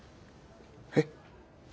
えっ？